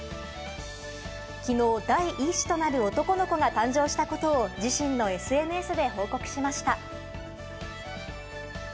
きのう、第１子となる男の子が誕生したことを自身のＳＮＳで報告しました。